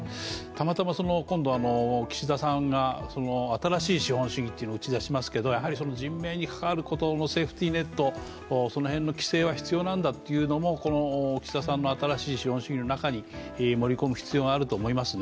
たまたま今度、岸田さんが新しい資本主義を打ち出しますけれども、人命に関わることのセーフティーネットの規制は必要なんだということは岸田さんの新しい資本主義の中に盛り込む必要があると思います。